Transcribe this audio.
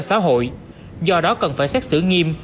xã hội do đó cần phải xét xử nghiêm